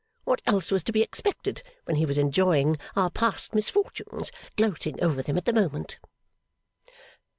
What else was to be expected when he was enjoying our past misfortunes gloating over them at the moment!